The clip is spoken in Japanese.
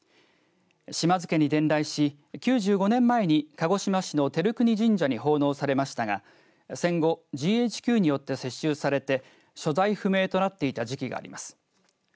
島津家に伝来し９５年前に鹿児島市の照國神社に奉納されましたが戦後ＧＨＱによって接収されて所在不明となっていた時期があります。